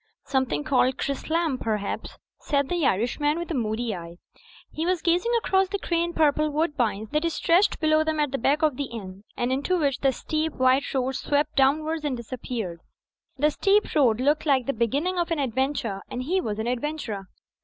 "Something called Chrislam perhaps," said the Irishman, with a moody eye. He was gazing across the grey and purple woodbinds that stretched below them at the back of the inn; and into which the steep, white road swept downwards and disappeared. The steep road looked like the beginning of an adventure; and he was an adventurer.